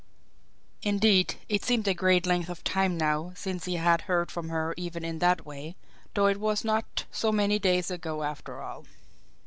Indeed, it seemed a great length of time now since he had heard from her even in that way, though it was not so many days ago, after all.